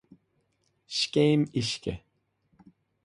Scéim Uisce.